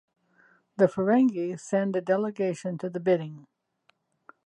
The Ferengi send a delegation to the bidding.